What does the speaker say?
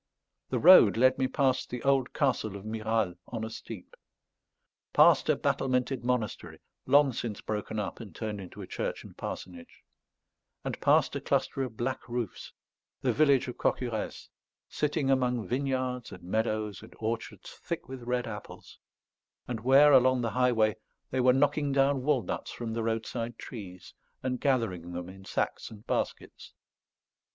The road led me past the old castle of Miral on a steep; past a battlemented monastery, long since broken up and turned into a church and parsonage; and past a cluster of black roofs, the village of Cocurès, sitting among vineyards and meadows and orchards thick with red apples, and where, along the highway, they were knocking down walnuts from the roadside trees, and gathering them in sacks and baskets.